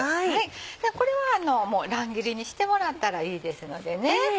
これは乱切りにしてもらったらいいですのでね。